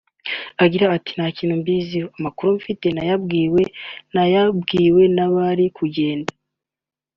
agira ati “Nta kintu mbiziho amakuru mfite ni ayo nabwiwe nayabwiwe n’abari kugenda